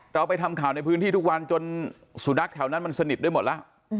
เราไปทำข่าวในพื้นที่ทุกวันจนสุนัขแถวนั้นมันสนิทด้วยหมดแล้ว